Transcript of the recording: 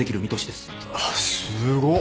すごっ！